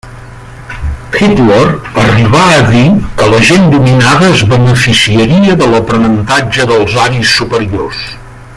Hitler arribà a dir que la gent dominada es beneficiaria de l'aprenentatge dels aris superiors.